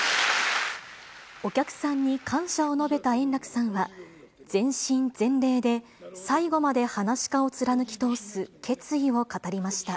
お客さんに感謝を述べた円楽さんは、全身全霊で、最後まではなし家を貫き通す決意を語りました。